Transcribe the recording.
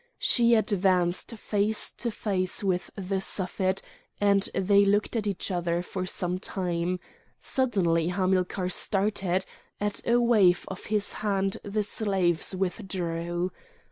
She advanced face to face with the Suffet, and they looked at each other for some time; suddenly Hamilcar started; at a wave of his hand the slaves withdrew.